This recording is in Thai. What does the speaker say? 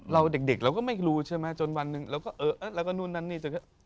เด็กเราก็ไม่รู้ใช่ไหมจนวันหนึ่งเราก็เออแล้วก็นู่นนั่นนี่จน